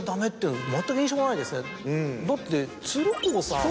だって鶴光さん。